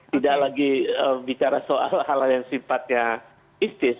tidak lagi bicara soal hal lain sifatnya istis